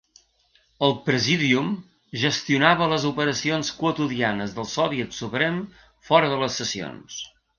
El Presídium gestionava les operacions quotidianes del Soviet Suprem fora de les sessions.